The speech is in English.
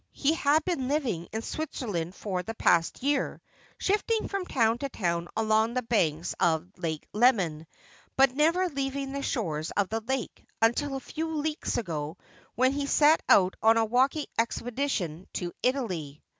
He had been living in Switzerland for the past year, shifting from town to town along the banks of Lake Leman, but never leaving the shores of the lake, until a few weeks ago, when he set out on a walking expeditioa to 376 Asphodel. Italy.